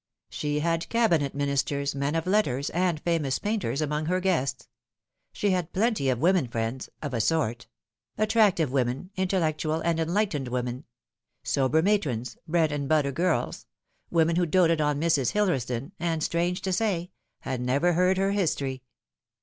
She had Cabinet Ministers, men of letters, and famous painters among her guests. She had plenty of women friends of a sort : attractive women, intellec tual and enlightened women ; sober matrons, bread and butter girls ; women who doted on Mrs. Hillersdon, and, strange to Bay, had never heard her history.